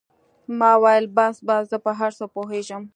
ما وويل بس بس زه په هر څه پوهېږم.